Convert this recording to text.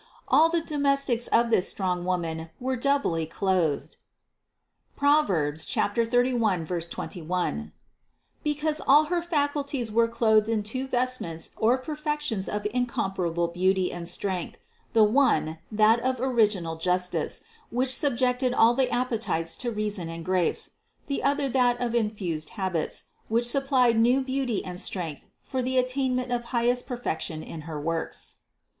All the do mestics of this strong Woman were doubly clothed (Prov. 31, 21) because all her faculties were clothed in two vestments or perfections of incomparable beauty and strength; the one, that of original justice, which sub jected all the appetites to reason and grace; the other that of the infused habits, which supplied new beauty and strength for the attainment of highest perfection in her works.